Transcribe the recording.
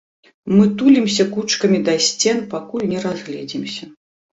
Мы тулімся кучкамі да сцен, пакуль не разгледзімся.